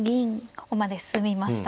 ここまで進みました。